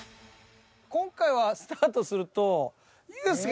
今回はスタートすると。